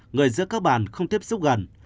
người giữa các bàn không tiếp xúc gần